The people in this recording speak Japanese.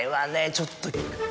ちょっと。